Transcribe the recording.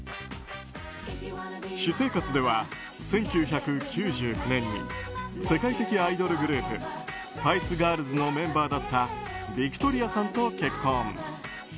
私生活では１９９９年に世界的アイドルグループスパイス・ガールズのメンバーだったビクトリアさんと結婚。